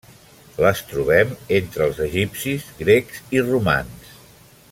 Les trobem entre els egipcis, grecs i romans.